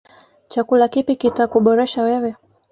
Chakula kipi kita kuboresha wewe.